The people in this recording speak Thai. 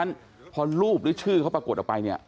วันต้นที่คุณเดินรูปหรือชื่อเขาประกวดออกไป